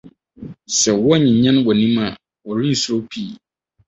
Sɛ woanyinyan w’anim a, wɔrensuro pii.